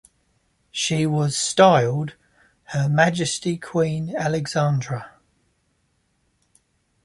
She was styled "Her Majesty Queen Alexandra".